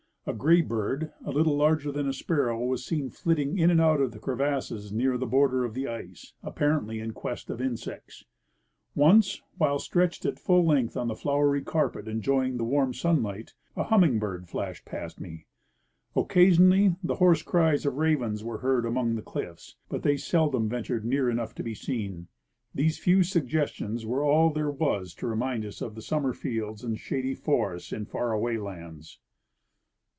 A gray bird, a little larger than a sparrow, was seen flitting in and out of crevasses near the border of the ice, apparently in quest of insects. Once, while stretched at full length on the flowery carj^et enjo3dng the warm sunlight, a humming bird flashed past me. Occasionally the hoarse cries of ravens were heard among the cliffs, but they seldom ventured near enough to be seen. These few suggestions werp all there was to remind us of the summer fields and shady forests in far away lands.